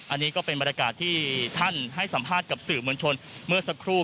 อันนี้ก็เป็นบรรยากาศที่ท่านให้สัมภาษณ์กับสื่อมวลชนเมื่อสักครู่